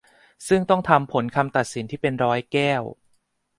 ซึ่งต้องทำผลคำตัดสินที่เป็นร้อยแก้ว